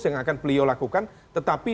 yang akan beliau lakukan tetapi